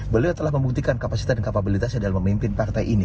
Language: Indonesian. beliau telah membuktikan kapasitas dan kapabilitasnya dalam memimpin partai ini